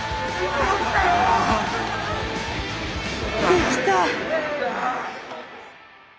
できた。